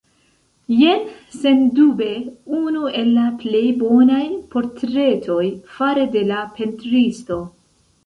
Jen sendube unu el la plej bonaj portretoj fare de la pentristo.